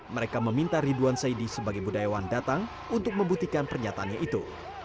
mereka meminta ridwan saidi sebagai budayawan datang untuk membuktikan pernyataannya itu